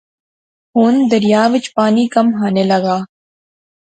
ہن دریا وچ پانی کم ہانے لاغآ